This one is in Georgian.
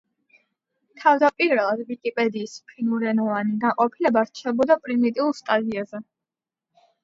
თავდაპირველად ვიკიპედიის ფინურენოვანი განყოფილება რჩებოდა პრიმიტიულ სტადიაზე.